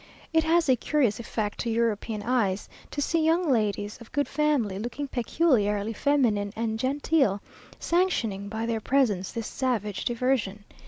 It has a curious effect to European eyes, to see young ladies of good family, looking peculiarly feminine and gentle, sanctioning, by their presence, this savage diversion.